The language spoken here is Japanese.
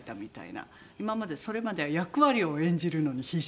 今までそれまでは役割を演じるのに必死。